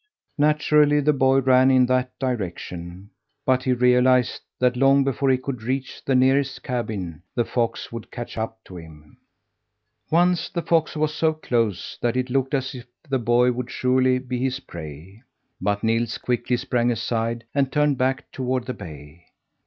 Naturally the boy ran in that direction, but he realized that long before he could reach the nearest cabin the fox would catch up to him. Once the fox was so close that it looked as if the boy would surely be his prey, but Nils quickly sprang aside and turned back toward the bay.